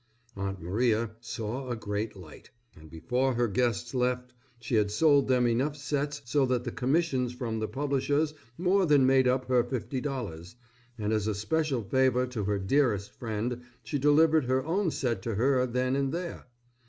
Aunt Maria saw a great light; and before her guests left she had sold them enough sets so that the commissions from the publishers more than made up her fifty dollars, and as a special favor to her dearest friend she delivered her own set to her then and there.